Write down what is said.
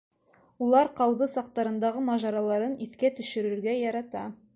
Улар ҡауҙы саҡтарындағы мажараларын иҫкә төшөрөргә ярата.